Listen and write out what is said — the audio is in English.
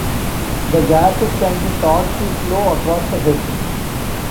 The gases can be thought to flow across the head.